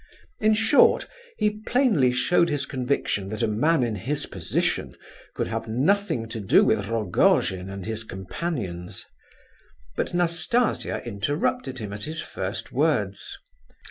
In short, he plainly showed his conviction that a man in his position could have nothing to do with Rogojin and his companions. But Nastasia interrupted him at his first words.